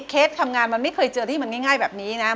เคสทำงานมันไม่เคยเจอที่มันง่ายแบบนี้นะ